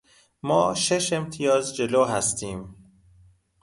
ما شش امتیاز جلو هستیم.